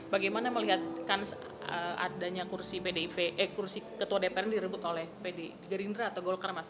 bagaimana melihatkan adanya kursi ketua dpr ini direbut oleh gerindra atau golkar mas